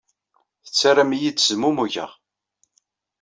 Tettarram-iyi ttezmumugeɣ.